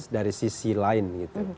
dari sisi lain gitu